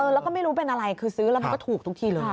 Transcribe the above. แล้วก็ไม่รู้เป็นอะไรคือซื้อแล้วมันก็ถูกทุกทีเลย